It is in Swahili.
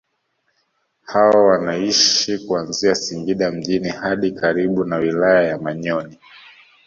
Hao wanaishi kuanzia Singida mjini hadi karibu na wilaya ya Manyoni